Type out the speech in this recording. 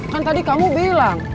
kan tadi kamu bilang